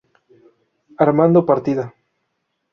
Armando Partida.